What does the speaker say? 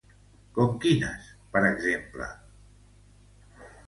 Com quines, per exemple?